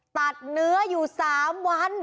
ตัดเนื้ออยู่สามวัน